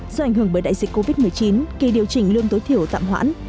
do ảnh hưởng bởi đại dịch covid một mươi chín kỳ điều chỉnh lương tối thiểu tạm hoãn